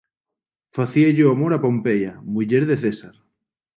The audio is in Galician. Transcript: Facíalle o amor a Pompeia, muller de César.